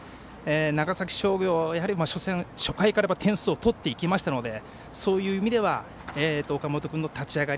長崎商業は初戦、初回から点数を取っていきましたのでそういう意味では岡本君の立ち上がり